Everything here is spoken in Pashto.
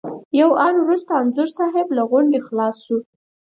یو آن وروسته انځور صاحب له غونډې خلاص شو.